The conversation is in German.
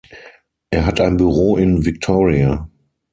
Er hat ein Büro in Victoria.